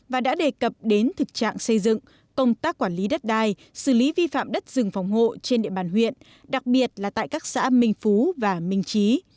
và đã đề cập đến thực trạng xây dựng công tác quản lý đất đai xử lý vi phạm đất rừng phòng hộ trên địa bàn huyện đặc biệt là tại các xã minh phú và minh trí